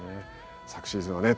昨シーズンはね